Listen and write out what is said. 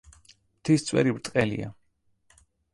მთის წვერი ბრტყელია.